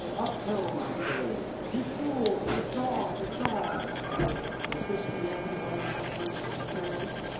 Up helm, I say—ye fools, the jaw! the jaw! Is this the end of all my bursting prayers?